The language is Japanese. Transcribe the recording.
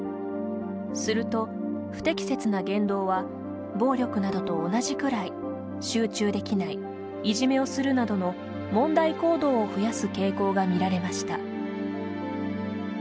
すると、不適切な言動は暴力などと同じくらい「集中できない」「いじめをする」などの問題行動を増やす傾向が見られました。